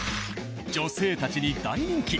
女性たちに大人気！